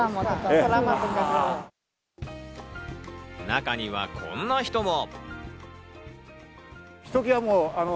中にはこんな人も。